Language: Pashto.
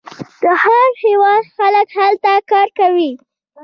د هر هیواد خلک هلته کار کوي.